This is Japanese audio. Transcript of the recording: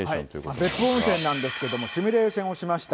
別府温泉なんですけども、シミュレーションをしました。